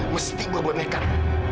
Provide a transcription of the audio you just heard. mesti berbuat nekat